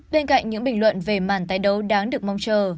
bên cạnh những bình luận về màn tái đấu đáng được mong chờ